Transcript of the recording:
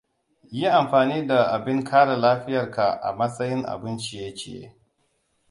Yi amfani da abin kara lafiyar ka a matsayin abun ciye-ciye.